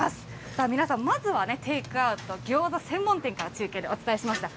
さあ皆さん、まずはテイクアウト、ギョーザ専門店から中継でお伝えしました。